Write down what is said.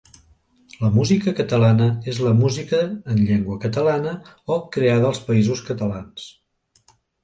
La música catalana és la música en llengua catalana o creada als Països Catalans.